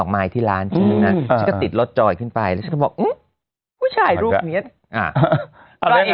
ใครจะไปเก็บปิด